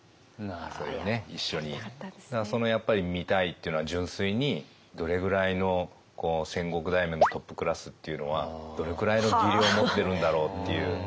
そのやっぱり「見たい」っていうのは純粋にどれぐらいの戦国大名のトップクラスっていうのはどれくらいの技量を持ってるんだろうっていう。